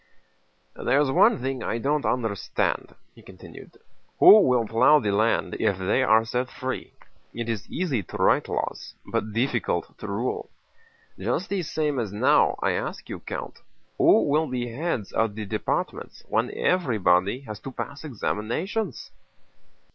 "There's one thing I don't understand," he continued. "Who will plow the land if they are set free? It is easy to write laws, but difficult to rule.... Just the same as now—I ask you, Count—who will be heads of the departments when everybody has to pass examinations?"